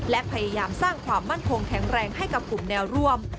และพยายามสร้างความมั่นคงแข็งแรงให้กับกลุ่มแนวร่วม